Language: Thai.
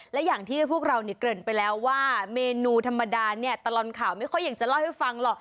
และอย่างที่พวกเราเกริ่นไปแล้วว่าเมนูธรรมดาเนี่ยตลอดข่าวไม่ค่อยอยากจะเล่าให้ฟังหรอก